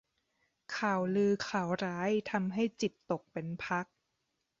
ข่าวลือข่าวร้ายทำให้จิตตกเป็นพัก